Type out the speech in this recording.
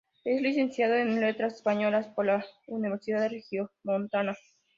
Es Licenciado en Letras Españolas por la Universidad Regiomontana.